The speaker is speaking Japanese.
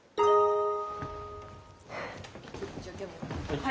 はい。